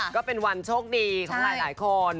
ก็เป็นวันโชคดีของหลายคน